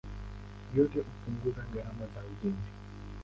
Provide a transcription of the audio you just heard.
Yote hupunguza gharama za ujenzi.